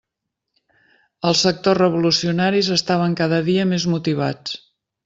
Els sectors revolucionaris estaven cada dia més motivats.